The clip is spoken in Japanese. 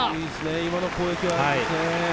今の攻撃はいいですね。